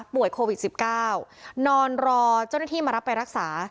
ป่วยโควิดสิบเก้านอนรอเจ้าหน้าที่มารับไปรักษา